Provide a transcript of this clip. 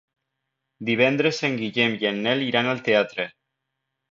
Divendres en Guillem i en Nel iran al teatre.